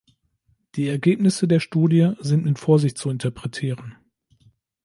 Die Ergebnisse der Studie sind mit Vorsicht zu interpretieren.